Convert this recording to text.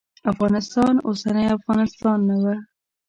افغانستان اوسنی افغانستان نه و.